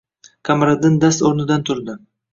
Qamariddin dast o‘rnidan turdi